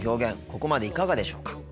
ここまでいかがでしょうか。